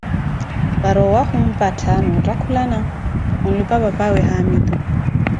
para owaahi omphattha na otthakulana, onlupah papawe Haamitu.